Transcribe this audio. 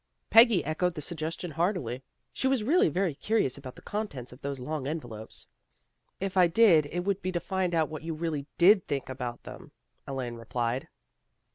Peggy echoed the suggestion heartily. She was really very curious about the contents of those long envelopes. " If I did, it would be to find out what you really did think about them," Elaine replied.